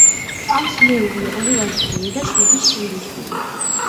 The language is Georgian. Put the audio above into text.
ჰყავს მეუღლე, ორი ვაჟიშვილი და შვიდი შვილიშვილი.